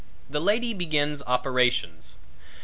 The lady begins operations.